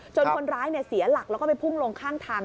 คนร้ายเสียหลักแล้วก็ไปพุ่งลงข้างทาง